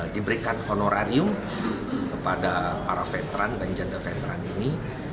diberikan honorarium kepada para veteran dan janda veteran ini